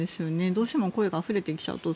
どうしても声があふれてきちゃうと。